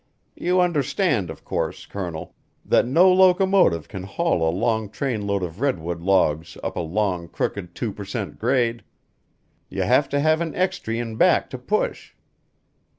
You understand, of course, Colonel, that no Locomotive can haul a long trainload of redwood logs up a long, crooked, two per cent. grade. You have to have an extry in back to push."